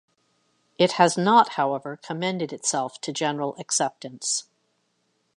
It has not, however, commended itself to general acceptance.